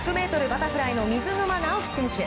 １００ｍバタフライの水沼尚輝選手。